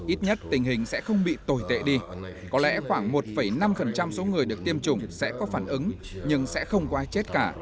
ít nhất tình hình sẽ không bị tồi tệ đi có lẽ khoảng một năm số người được tiêm chủng sẽ có phản ứng nhưng sẽ không có ai chết cả